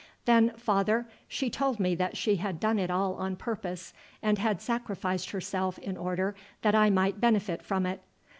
"Then, father, she told me that she had done it all on purpose, and had sacrificed herself in order that I might benefit from it.